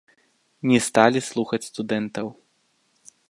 Не сталі слухаць студэнтаў.